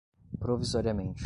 provisoriamente